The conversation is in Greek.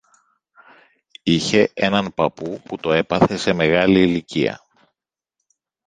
είχε έναν παππού που το έπαθε σε μεγάλη ηλικία